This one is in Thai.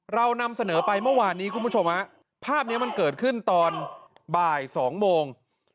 เรานำเสนอไปเมื่อวานนี้คุณผู้ชมฮะภาพนี้มันเกิดขึ้นตอนบ่าย๒โมง